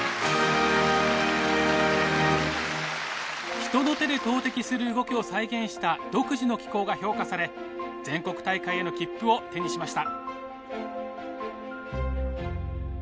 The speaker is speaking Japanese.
人の手で投てきする動きを再現した独自の機構が評価され全国大会への切符を手にしました。